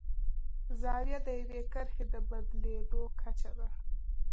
زاویه د یوې کرښې د بدلیدو کچه ده.